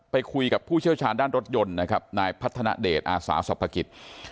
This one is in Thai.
ไปคุยกับผู้เชี่ยวชาญด้านรถยนต์นะครับนายพัฒนาเดชอาสาสรรพกิจ